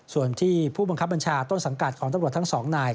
ส่วนที่ผู้บังคับบัญชาต้นสังกัดของตำรวจทั้งสองนาย